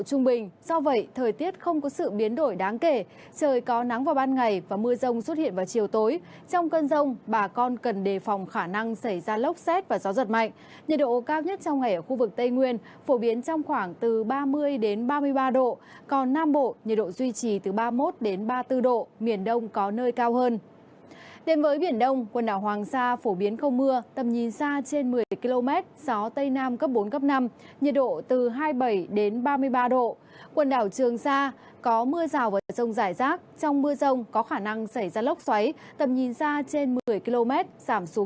quần đảo trường sa có mưa rào và rông rải rác trong mưa rông có khả năng xảy ra lốc xoáy tầm nhìn xa trên một mươi km giảm xuống từ bốn đến một mươi km trong mưa